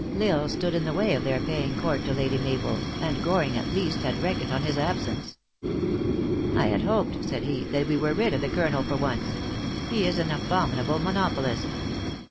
L Isle stood in the way of their paying court to Lady Mabel, and Goring, at least, had reckoned on his ab sence. THE ACTEESS IN HIGH LIFE. 357 " I had hoped," said he, " that we were rid of the Colonel for once. He is an abominable monopolist."